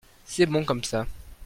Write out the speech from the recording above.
c'est bon comme ça.